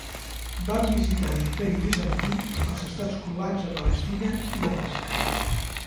Van visitar l'Imperi Bizantí, els estats croats a Palestina, i Damasc.